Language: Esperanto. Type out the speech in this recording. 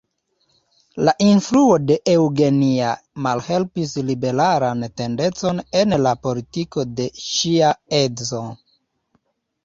La influo de Eugenia malhelpis liberalan tendencon en la politiko de ŝia edzo.